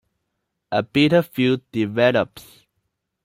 A bitter feud develops.